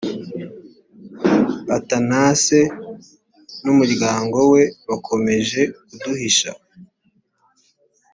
athanase n umuryango we bakomeje kuduhisha